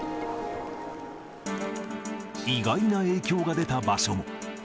意外な影響が出た場所も。